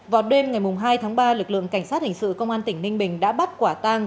vào đêm ngày hai tháng ba lực lượng cảnh sát hình sự công an tỉnh ninh bình đã bắt quả tang